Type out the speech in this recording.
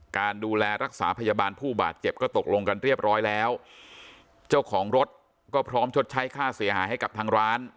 การดูแลรักษาพยาบาลผู้บาดเจ็บก็ตกลงกันเรียบร้อยแล้วเจ้าของรถก็พร้อมชดใช้ค่าเสียหายให้กับทางร้าน